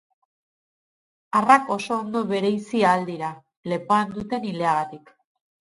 Arrak oso ondo bereizi ahal dira, lepoan duten ileagatik.